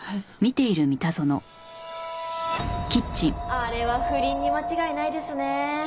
あれは不倫に間違いないですねえ。